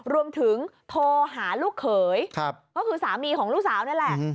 รวมถึงโทรหาลูกเขยก็คือสามีของลูกสาวนั่นแหละ